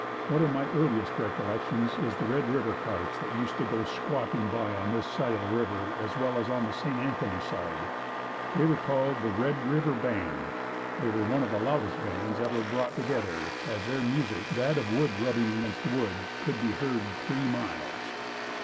One of my earliest recollections is the Red River carts that used to go squawking by on this side of the river as well as on the St. Anthony side. They were called the Red River Band. They were one of the loudest bands ever brought together, as their music, that of wood rubbing against wood, could be heard three miles.